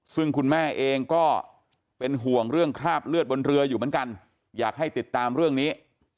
ซึ่งคุณแม่เองก็เป็นห่วงเรื่องคราบเลือดบนเรืออยู่เหมือนกันอยากให้ติดตามเรื่องนี้